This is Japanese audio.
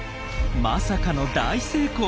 まさかの大成功。